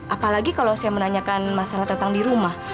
apalagi kalau saya menanyakan masalah tentang di rumah